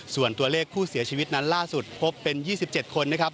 ส่วนตัวเลขผู้เสียชีวิตนั้นล่าสุดพบเป็น๒๗คนนะครับ